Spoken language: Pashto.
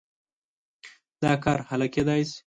دا کار هله کېدای شي.